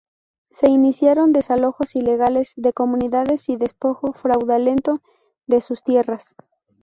Se iniciaron desalojos ilegales de comunidades y despojo fraudulento de sus tierras.